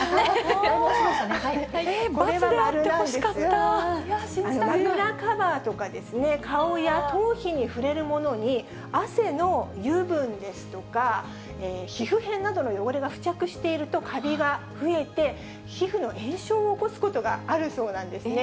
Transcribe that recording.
えー、枕カバーとかですね、顔や頭皮に触れるものに、汗の油分ですとか、皮膚片などの汚れが付着していると、かびが増えて、皮膚の炎症を起こすことがあるそうなんですね。